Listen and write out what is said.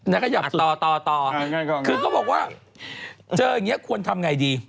นักขยับเขาบอกว่าเจออย่างนี้ควรทำไงดี